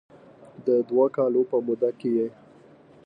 د دوه کالو په موده کې یې